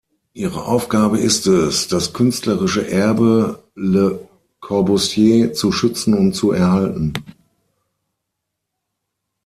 Ihre Aufgabe ist es, das künstlerische Erbe Le Corbusiers zu schützen und zu erhalten.